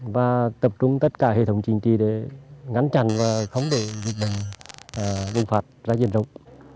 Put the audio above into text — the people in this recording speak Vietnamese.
và tập trung tất cả hệ thống chính trị để ngắn chặn và không để dịch bệnh đơn phạt ra diện rộng